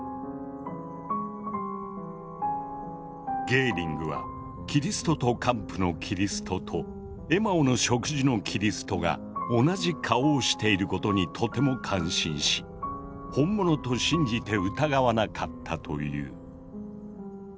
ゲーリングは「キリストと姦婦」のキリストと「エマオの食事」のキリストが同じ顔をしていることにとても感心し本物と信じて疑わなかったという。